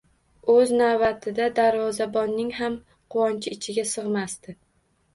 O`z navbatida darvozabonning ham quvonchi ichiga sig`masdi